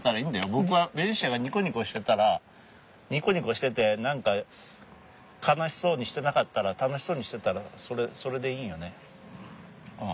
僕はベニシアがニコニコしてたらニコニコしてて何か悲しそうにしてなかったら楽しそうにしてたらそれでいいんよねうん。